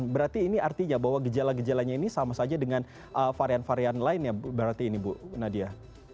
berarti ini artinya bahwa gejala gejalanya ini sama saja dengan varian varian lain ya berarti ini bu nadia